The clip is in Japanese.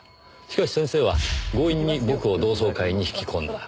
しかし先生は強引に僕を同窓会に引き込んだ。